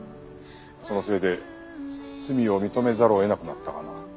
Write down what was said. そのせいで罪を認めざるを得なくなったがな。